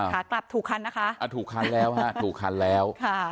ขากลับถูกคันนะคะอ่าถูกคันแล้วฮะถูกคันแล้วค่ะ